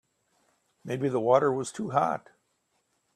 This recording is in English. Maybe the water was too hot.